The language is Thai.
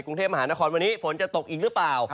กรุงเทพมหานครวันนี้ฝนจะตกอีกหรือเปล่า